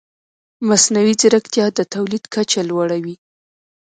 مصنوعي ځیرکتیا د تولید کچه لوړه وي.